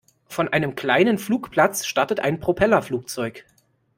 Von einem kleinen Flugplatz startet ein Propellerflugzeug.